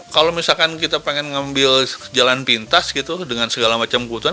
kalau misalkan kita pengen ngambil jalan pintas gitu dengan segala macam kebutuhan